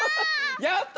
やった！